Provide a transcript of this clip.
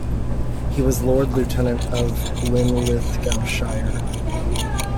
He was Lord Lieutenant of Linlithgowshire.